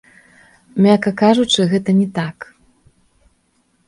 Мякка кажучы, гэта не так.